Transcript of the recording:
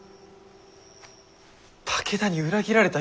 武田に裏切られた